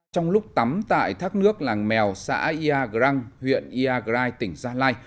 trong lúc tắm tại thác nước làng mèo xã yagrang huyện yagrai tỉnh gia lai